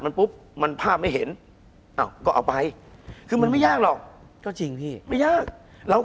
คุณผู้ชมบางท่าอาจจะไม่เข้าใจที่พิเตียร์สาร